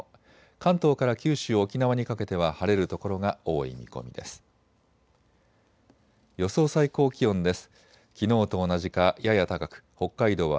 関東から九州・沖縄にかけては晴れる所が多い見込みです。